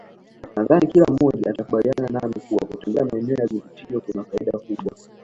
Nadhani kila mmoja atakubaliana nami kuwa kutembelea maeneo ya vivutio kuna faida kubwa